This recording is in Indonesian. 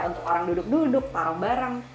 untuk orang duduk duduk taruh barang